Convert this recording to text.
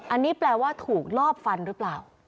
อันนี้แปลว่าถูกลอบฟันหรือเปล่า